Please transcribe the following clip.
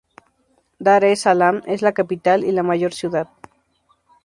Dar es Salaam es la capital y la mayor ciudad.